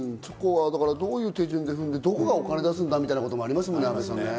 どういう手順を踏んで、どこがお金を出すんだということもありますもんね。